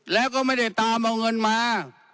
แล้วก็ไม่ได้ตามเอาเงินมา